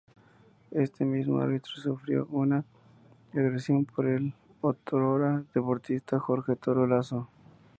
Este mismo árbitro sufrió una agresión por el otrora deportista Jorge "Toro" Lazo.